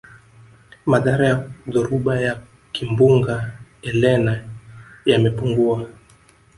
madhara ya dhoruba ya kimbunga elene yamepungua